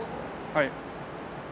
はい。